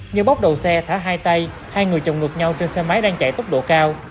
như bóc đầu xe thả hai tay hai người chồng ngược nhau trên xe máy đang chạy tốc độ cao